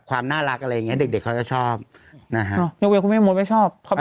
อ้าวอย่างเวลาทุกที่ถึงหมดไม่ชอบ